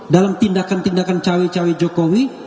dalam tindakan tindakan cawe cawe jokowi